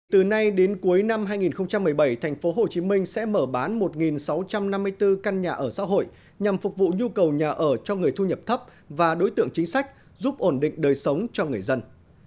từ nay đến cuối năm hai nghìn một mươi bảy tp hcm sẽ mở bán một sáu trăm năm mươi bốn căn nhà ở xã hội nhằm phục vụ nhu cầu nhà ở cho người thu nhập thấp và đối tượng chính sách giúp ổn định đời sống cho người dân